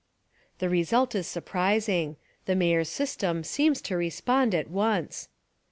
The result is surprising. The Mayor's sys tem seems to respond at once.